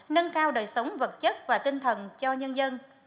nâng cao đời sống vật chất và tinh thần cho nhân dân